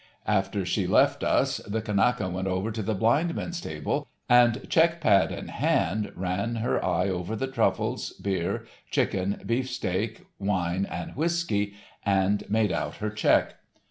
After she left us, the Kanaka went over to the blind men's table, and, check pad in hand, ran her eye over the truffles, beer, chicken, beefsteak, wine and whiskey, and made out her check.